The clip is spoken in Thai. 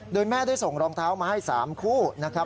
โดยแม่ได้ส่งรองเท้ามาให้๓คู่นะครับ